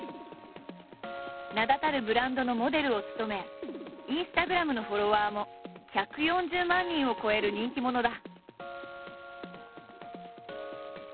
名だたるブランドのモデルを務めインスタグラムのフォロワーも１４０万人を超える人気者だ。